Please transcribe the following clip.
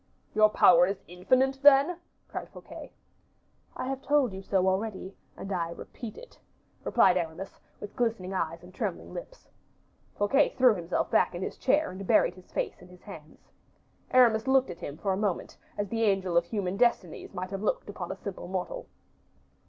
"Your power is infinite, then?" cried Fouquet. "I have told you so already, and I repeat it," replied Aramis, with glistening eyes and trembling lips. Fouquet threw himself back in his chair, and buried his face in his hands. Aramis looked at him for a moment, as the angel of human destinies might have looked upon a simple mortal.